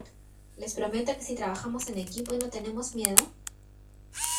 les prometo que si trabajamos en equipo y no tenemos miedo,